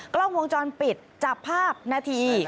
กล้องวงจรปิดจับภาพนาทีใช่นะฮะ